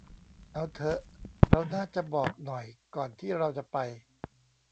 เอาเถอะ เราน่าจะบอกหน่อยก่อนที่เราจะไป